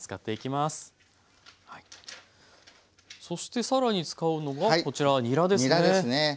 そして更に使うのがこちらにらですね。